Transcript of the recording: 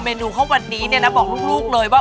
เมนูของวันนี้นะบอกลูกเลยว่า